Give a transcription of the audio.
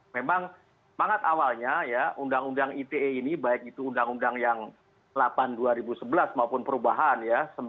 memang mangat awalnya ya undang undang ite ini baik itu undang undang yang delapan dua ribu sebelas maupun perubahan ya